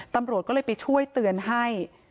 ตำรวจก็เลยไปช่วยเตือนให้